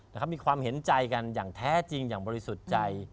มีความเห็นใจกันอย่างแท้จริงอย่างบริสุทธิ์ใจ